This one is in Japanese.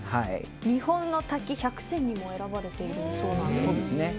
日本の滝１００選にも選ばれているそうなんです。